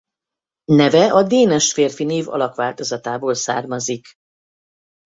Neve a Dénes férfinév alakváltozatából származik.